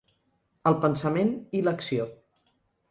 El pensament i l’acció.